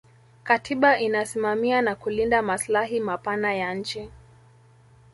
katiba inasimamia na kulinda maslahi mapana ya nchi